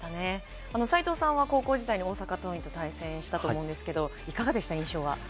斎藤さんは高校時代に大阪桐蔭と対戦したと思うんですが、いかがでしたか、印象は。